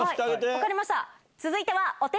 分かりました。